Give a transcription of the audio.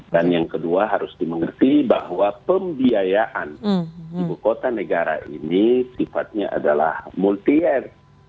dan yang kedua harus dimengerti bahwa pembiayaan ibu kota negara ini sifatnya adalah multi edge